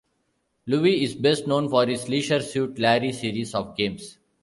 Lowe is best known for his "Leisure Suit Larry" series of games.